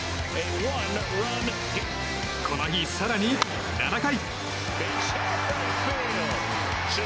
この日、更に７回。